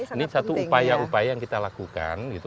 ini satu upaya upaya yang kita lakukan